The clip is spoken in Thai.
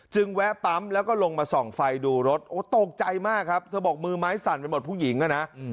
แวะปั๊มแล้วก็ลงมาส่องไฟดูรถโอ้ตกใจมากครับเธอบอกมือไม้สั่นไปหมดผู้หญิงอ่ะนะ